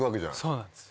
そうなんです